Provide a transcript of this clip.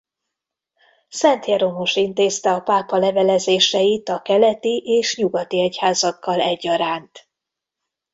Szent Jeromos intézte a pápa levelezéseit a keleti és nyugati egyházakkal egyaránt.